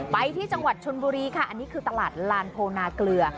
ไปที่จังหวัดชนบุรีค่ะอันนี้คือตลาดลานโพนาเกลือ